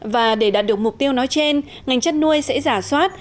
và để đạt được mục tiêu nói trên ngành chăn nuôi sẽ giả soát